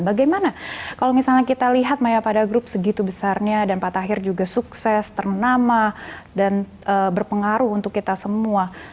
bagaimana kalau misalnya kita lihat maya pada group segitu besarnya dan pak tahir juga sukses ternama dan berpengaruh untuk kita semua